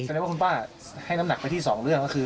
แสดงว่าคุณป้าให้น้ำหนักไปที่สองเรื่องก็คือ